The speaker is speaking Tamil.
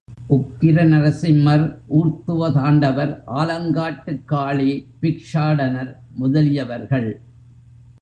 உக்கிர நரசிம்மர், ஊர்த்துவதாண்டவர், ஆலங்காட்டுக் காளி, பிக்ஷாடனர் முதலியவர்கள்.